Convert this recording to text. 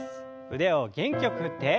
腕を元気よく振って。